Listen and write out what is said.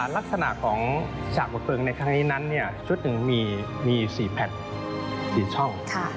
ลักษณะของฉากบอบเบิ้งในข้างนี้นั้นชุดหนึ่งมีสี่แผ่นสี่ช่อง